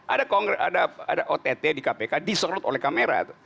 ada ott di kpk disorot oleh kamera